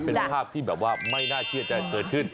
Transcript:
เป็นภาพที่แบบว่าไม่น่าเชื่อจะเกิดขึ้น